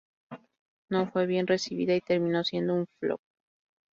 No fue bien recibida y terminó siendo un "flop".